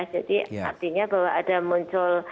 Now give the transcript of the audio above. jadi artinya bahwa ada muncul